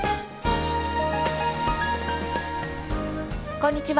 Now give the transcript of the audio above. こんにちは。